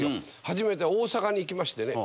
初めて大阪に行きましてね。